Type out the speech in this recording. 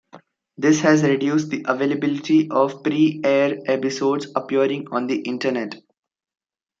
This has reduced the availability of preair episodes appearing on the internet.